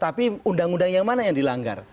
tapi undang undang yang mana yang dilanggar